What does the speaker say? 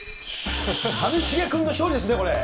上重君の勝利ですね、これ。